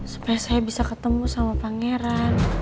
supaya saya bisa ketemu sama pangeran